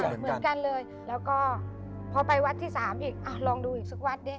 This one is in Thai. เหมือนกันเลยแล้วก็พอไปวัดที่สามอีกอ่ะลองดูอีกสักวัดดิ